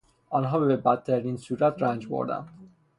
آنها به بدترین صورت رنج بردند.